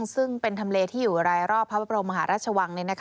ซึ่งเป็นทำเลที่อยู่รายรอบพระบรมมหาราชวัง